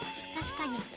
確かに。